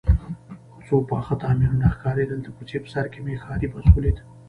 څو پاخه تعمیرونه ښکارېدل، د کوڅې په سر کې مې ښاري بس ولید.